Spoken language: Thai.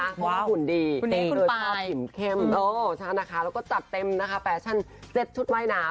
เพราะว่าหุ่นดีด้วยผ้าอิ่มเข้มนะคะแล้วก็จัดเต็มนะคะแฟชั่นเซ็ตชุดว่ายน้ำ